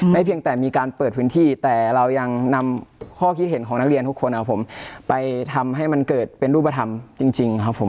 เพียงแต่มีการเปิดพื้นที่แต่เรายังนำข้อคิดเห็นของนักเรียนทุกคนนะครับผมไปทำให้มันเกิดเป็นรูปธรรมจริงครับผม